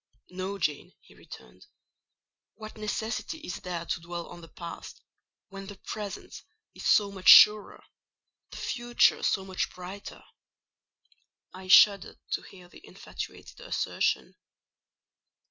"No, Jane," he returned: "what necessity is there to dwell on the Past, when the Present is so much surer—the Future so much brighter?" I shuddered to hear the infatuated assertion.